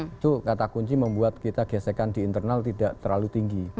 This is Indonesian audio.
itu kata kunci membuat kita gesekan di internal tidak terlalu tinggi